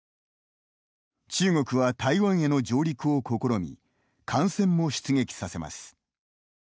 中国は台湾への上陸を試み艦船も出撃させます。